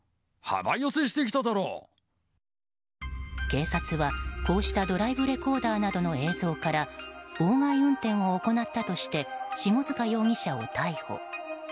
警察は、こうしたドライブレコーダーなどの映像から妨害運転を行ったとして下塚容疑者を逮捕。